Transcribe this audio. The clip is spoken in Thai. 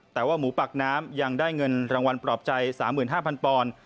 แต่ว่าหมูปากน้ำยังได้เงินรางวัลปลอบใจ๓๕๐๐ปอนด์